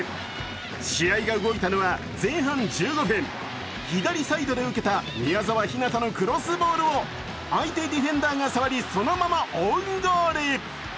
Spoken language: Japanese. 試合が動いたのは前半１５分、左サイドで受けた宮澤ひなたのクロスボールを相手ディフェンダーが触りそのままオウンゴール。